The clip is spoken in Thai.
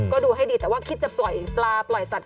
ก็ดูให้ดีแต่ว่าคิดจะปล่อยปลาปล่อยสัตว